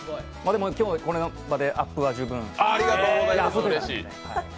今日はこれでアップは十分。